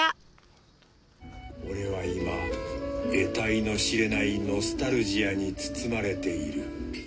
俺は今得体の知れないノスタルジアに包まれている